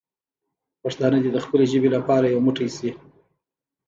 پښتانه دې د خپلې ژبې لپاره یو موټی شي.